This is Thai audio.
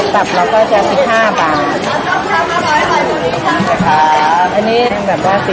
ตัพเราก็จะสี่ห้าบาท